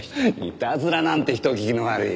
いたずらなんて人聞きの悪い。